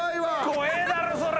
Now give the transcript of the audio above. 怖えだろそれ。